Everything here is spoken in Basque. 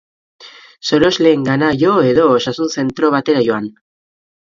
Sorosleengana jo edo osasun zentro batera joan.